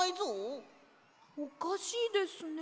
おかしいですね。